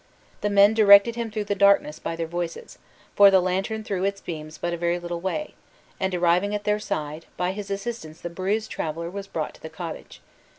The men directed him through the darkness by their voices, for the lantern threw its beams but a very little way, and, arriving at their side, by his assistance the bruised traveler was brought to the cottage.